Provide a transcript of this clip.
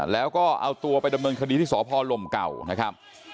แล้วก็เอาตัวไปดำเนินคดีที่สพลมเก่านะครับ